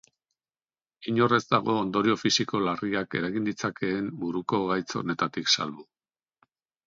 Inor ez dago ondorio fisiko larriak eragin ditzakeen buruko gaitz honetatik salbu.